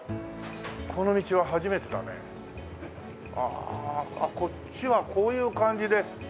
あっこっちはこういう感じで。